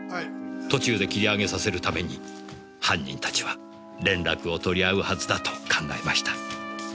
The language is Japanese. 途中で切り上げさせるために犯人たちは連絡を取り合うはずだと考えました。